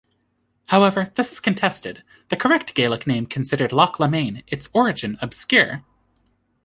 However, this is contested, the correct Gaelic name considered "Loch Laomainn", its origin obscure.